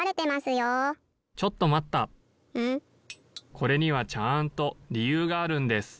・これにはちゃんとりゆうがあるんです。